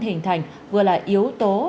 hình thành vừa là yếu tố